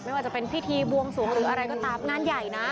ไม่ว่าจะเป็นพิธีบวงสวงหรืออะไรก็ตามงานใหญ่นะ